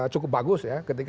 cukup bagus ya